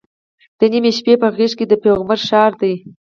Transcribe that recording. د نیمې شپې په غېږ کې د پیغمبر ښار دی.